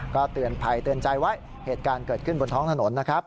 ก็เตือนภัยเตือนใจไว้เหตุการณ์เกิดขึ้นบนท้องถนนนะครับ